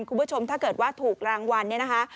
คุณผู้ชมถ้าเกิดว่าถูกรางวัลเนี่ยนะคะ